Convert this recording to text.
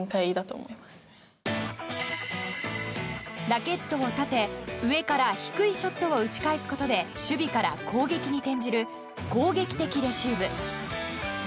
ラケットを立て上から低いショットを打ち返すことで守備から攻撃に転じる攻撃的レシーブ。